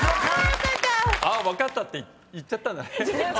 「あっ分かった」って言っちゃったんだね。